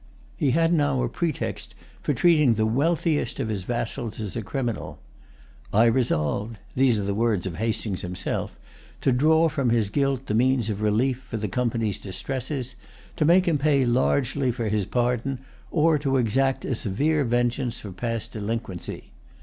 He had now a pretext for treating the wealthiest of his vassals as a criminal. "I resolved"—these are the words of Hastings himself—"to draw from his guilt the means of relief of the Company's distresses, to make him pay largely for his pardon, or to exact a severe vengeance for past delinquency."